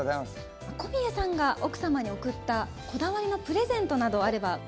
小宮さんが奥様に贈ったこだわりのプレゼントなどあれば。